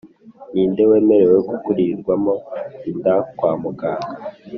Ni nde wemerewe gukurirwamo inda kwa muganga